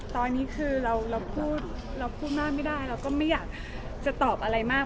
ตอนนี้คือเราพูดเราพูดมากไม่ได้เราก็ไม่อยากจะตอบอะไรมาก